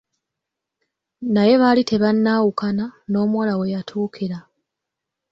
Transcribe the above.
Naye baali tebannaawukana, n'omuwala weyatuukira.